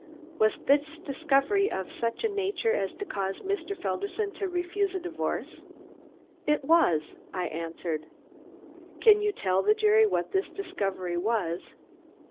"Was this discovery of such a nature as to cause Mr. Felderson to refuse a divorce?" "It was!" I answered. "Can you tell the jury what this discovery was?"